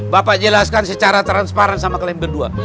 bapak jelaskan secara transparan sama klaim berdua